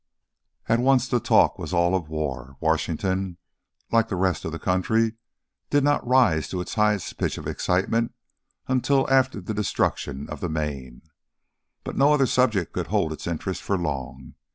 At once the talk was all of war. Washington, like the rest of the country, did not rise to its highest pitch of excitement until after the destruction of the Maine, but no other subject could hold its interest for long.